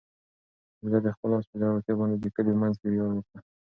بزګر د خپل آس په زړورتیا باندې د کلي په منځ کې ویاړ وکړ.